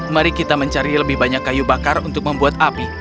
mari kita mencari lebih banyak kayu bakar untuk membuat api